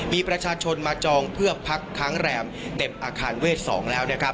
มีประชาชนมาจองเพื่อพักค้างแรมเต็มอาคารเวท๒แล้วนะครับ